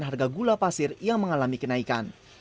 harga gula pasir yang mengalami kenaikan